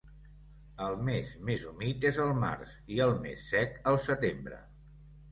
El mes més humit és el març i el més sec, el setembre.